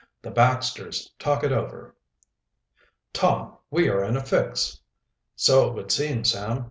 THE BAXTERS TALK IT OVER, "Tom, we are in a fix." "So it would seem, Sam.